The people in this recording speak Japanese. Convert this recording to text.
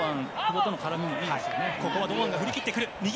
ここは堂安、振り切ってくる。